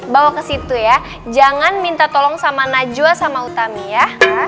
bawa ke situ ya jangan minta tolong sama najwa sama utami ya